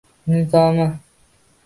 Nizomi